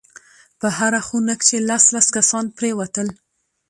په هره خونه کښې لس لس کسان پرېوتل.